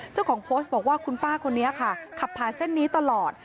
เจ้าของโพสต์บอกว่าคุณป้าคนนี้ค่ะขับผ่านเส้นนี้ตลอด